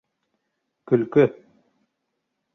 Көлкө.